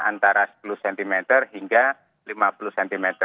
antara sepuluh cm hingga lima puluh cm